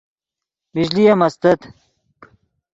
بجلی ام استت